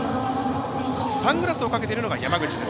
サングラスをかけているのが山口です。